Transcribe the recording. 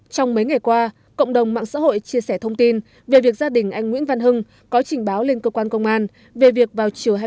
trong mấy ngày qua cộng đồng mạng xã hội chia sẻ thông tin về việc gia đình anh nguyễn văn hưng có trình báo lên cơ quan công an về việc vào chiều hai mươi